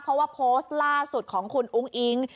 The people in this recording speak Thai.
เพราะว่าโพสต์ล่าสุดของคุณอุ้งอิ๊ง